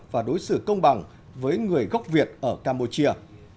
và đối xử công bằng với người gốc việt ở campuchia